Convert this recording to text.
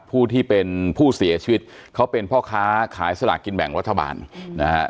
ผู้ที่เป็นผู้เสียชีวิตเขาเป็นพ่อค้าขายสลากกินแบ่งรัฐบาลนะฮะ